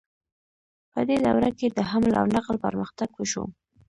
په دې دوره کې د حمل او نقل پرمختګ وشو.